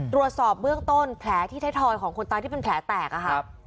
ตรวจสอบเบื้องต้นแผลที่ไทยทอยของคนตายที่เป็นแผลแตกอะค่ะ